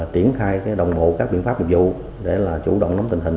triển khai đồng bộ các biện pháp mục vụ để chủ động lắm tình hình